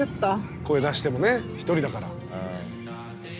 声出してもねひとりだから。